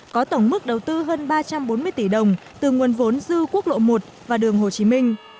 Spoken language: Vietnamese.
có tổng mức đầu tư hơn ba trăm bốn mươi tỷ đồng từ nguồn vốn dư quốc lộ một và đường hồ chí minh